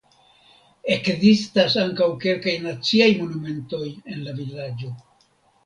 Ekzistas ankaŭ kelkaj naciaj monumentoj en la vilaĝo.